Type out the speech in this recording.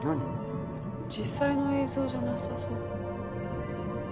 実際の映像じゃなさそう。